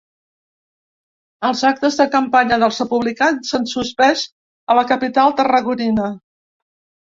Els actes de campanya dels republicans s’han suspès a la capital tarragonina.